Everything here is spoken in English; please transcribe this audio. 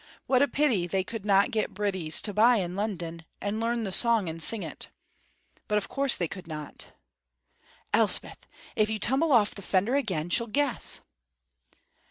What a pity they could not get bridies to buy in London, and learn the song and sing it. But of course they could not! ("Elspeth, if you tumble off the fender again, she'll guess.")